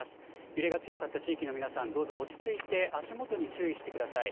揺れが強かった地域の皆さん、どうぞ落ち着いて足元に注意してください。